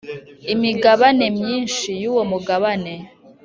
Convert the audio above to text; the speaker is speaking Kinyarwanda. imigabane myinshi yuwo mugabane